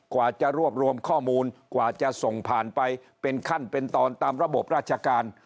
กว่าจะรวบรวมข้อมูลกว่าจะส่งผ่านไปเป็นขั้นเป็นตอนตามระบบราชการ